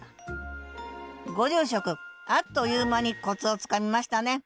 ご住職あっという間にコツをつかみましたね。